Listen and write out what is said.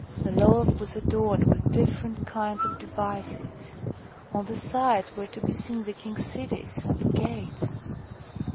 The loaf was adorned with different kinds of devices : on the sides were to be seen the king's cities and the gates.